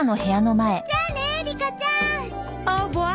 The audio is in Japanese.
じゃあねリカちゃん。オーボワ。